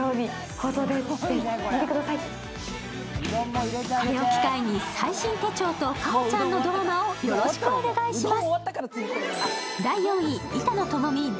これを機会に最新手帳と夏帆ちゃんのドラマをよろしくお願いします。